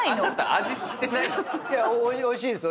いやおいしいです。